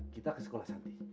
kita ke sekolah santi